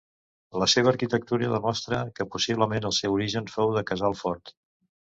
La seva arquitectura demostra que possiblement el seu origen fou de casal fort.